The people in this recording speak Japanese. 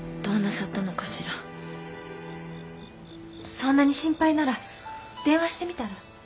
そんなに心配なら電話してみたら？